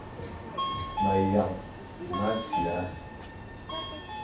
Meyañ mʼasia,